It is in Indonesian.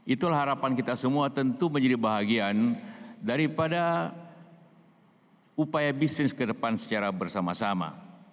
itulah harapan kita semua tentu menjadi bahagian daripada upaya bisnis ke depan secara bersama sama